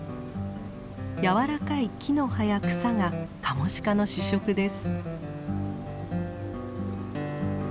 柔らかい木の葉や草がカモシカの主食です。